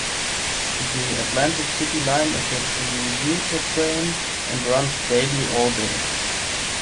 The Atlantic City Line is a commuter train and runs daily all day.